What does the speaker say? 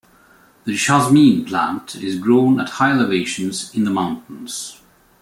The jasmine plant is grown at high elevations in the mountains.